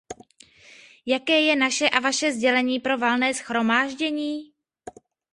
Jaké je naše a vaše sdělení pro Valné shromáždění?